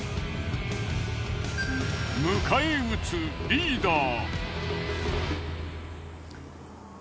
迎え撃つリーダー。